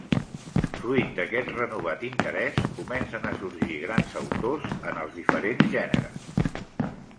Fruit d'aquest renovat interès, comencen a sorgir grans autors en els diferents gèneres.